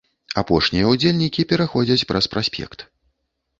Апошнія ўдзельнікі пераходзяць праз праспект.